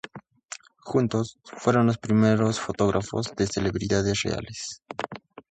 Juntos, fueron los primeros fotógrafos de celebridades reales.